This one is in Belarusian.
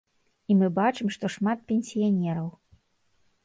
І мы бачым, што шмат пенсіянераў.